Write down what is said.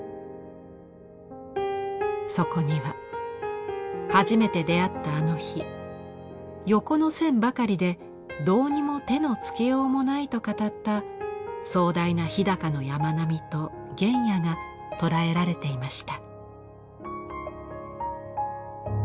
そこには初めて出会ったあの日「横の線ばかりでどうにも手のつけようもない」と語った壮大な日高の山並みと原野が捉えられていました。